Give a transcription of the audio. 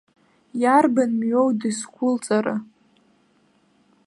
Иарбан мҩоу дызқәылҵара?